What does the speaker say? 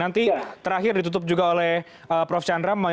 nanti terakhir ditutup juga oleh prof chandra